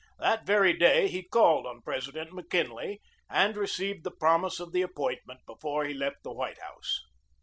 That very day he called on President Mo Kinley and received the promise of the appointment before he left the White House.